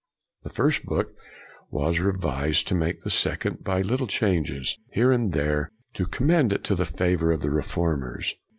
The first book was revised to make the second by little changes here and there, to commend it to the favor of re formers.